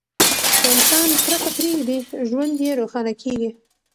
که انسان کرکه پریږدي، ژوند یې روښانه کیږي.